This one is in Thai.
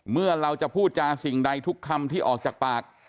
เมื่อเราจะพูดจาสิ่งใดทุกคำที่ออกจากปาก